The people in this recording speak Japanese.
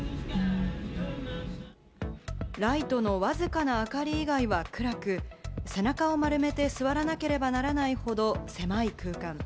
ライトのわずかな明かり以外は暗く、背中を丸めて座らなければならないほど狭い空間。